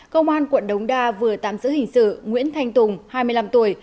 công an quận đống đa vừa tạm giữ hình sự nguyễn thanh tùng hai mươi năm tuổi